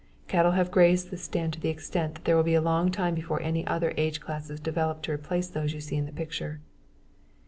Cattle have grazed this stand to the extent that it will be a long time before any other age classes develop to replace those you see in the picture.